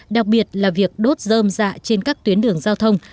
đặc biệt là việc đốt dơm dạ trên các tuyến đường giao thông